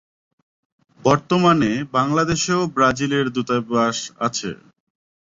বর্তমানে বাংলাদেশেও ব্রাজিলের দূতাবাস আছে।